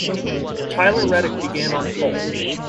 Tyler Reddick began on pole.